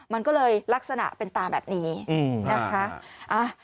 มันก็เลยลักษณะเป็นตาแบบนี้นะคะ